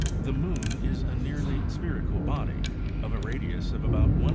The moon is a nearly spherical body, of a radius of about 1,087.